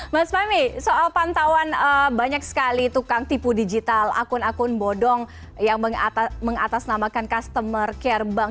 mas fahmi soal pantauan banyak sekali tukang tipu digital akun akun bodong yang mengatasnamakan customer care bank